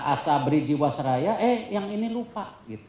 asabri jiwasraya eh yang ini lupa